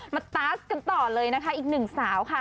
มาตาสกันต่อเลยนะคะอีกหนึ่งสาวค่ะ